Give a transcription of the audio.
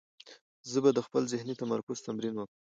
زه به د خپل ذهني تمرکز تمرین وکړم.